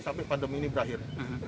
sampai pandemi ini berakhir